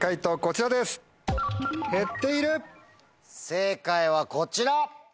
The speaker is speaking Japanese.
正解はこちら。